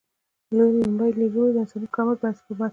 لومړی لیدلوری د انساني کرامت پر بنسټ دی.